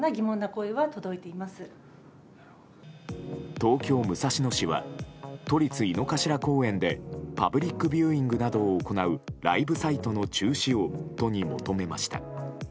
東京・武蔵野市は都立井の頭公園でパブリックビューイングなどを行うライブサイトの中止を都に求めました。